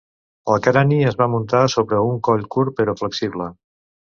El crani es va muntar sobre un coll curt però flexible.